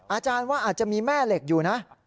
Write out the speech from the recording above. อาจารย์ว่าอาจจะมีแม่เหล็กอยู่นะ